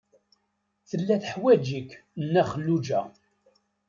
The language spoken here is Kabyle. Tella teḥwaj-ik Nna Xelluǧa.